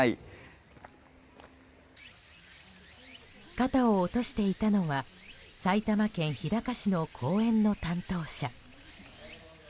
肩を落としていたのは埼玉県日高市の公園の担当者。